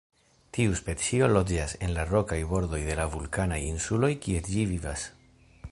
Tiu specio loĝas en la rokaj bordoj de la vulkanaj insuloj kie ĝi vivas.